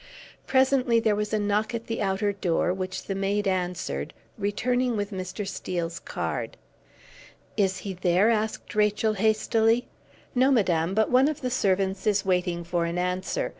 Presently there was a knock at the outer door, which the maid answered, returning with Mr. Steele's card. "Is he there?" asked Rachel, hastily. "No, madame, but one of the servants is waiting for an answer.